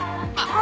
あ！